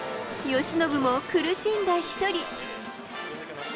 由伸も苦しんだ一人。